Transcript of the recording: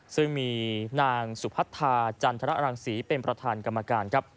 ซึ่งมีนางสุพัทธาจันทรรังศรีเป็นประธานกรรมการครับ